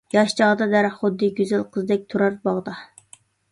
ياش چاغدا دەرەخ خۇددى گۈزەل قىزدەك تۇرار باغدا.